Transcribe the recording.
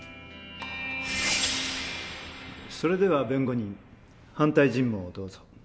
それでは弁護人反対尋問をどうぞ。